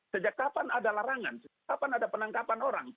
sejak kapan ada larangan kapan ada penangkapan orang